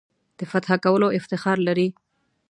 د فتح کولو افتخار لري.